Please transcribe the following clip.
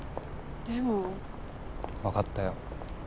でも分かったよ